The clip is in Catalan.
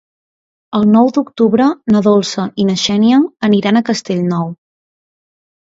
El nou d'octubre na Dolça i na Xènia aniran a Castellnou.